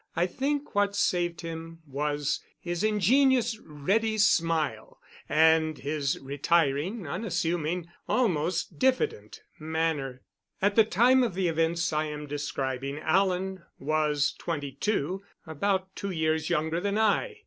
I think what saved him was his ingenious, ready smile, and his retiring, unassuming almost diffident manner. At the time of the events I am describing Alan was twenty two about two years younger than I.